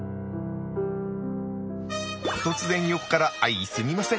突然横から相すみません。